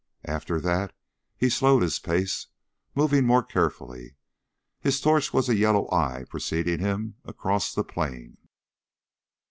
After that he slowed his pace, moving more carefully. His torch was a yellow eye preceding him across the plain.